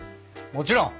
もちろん！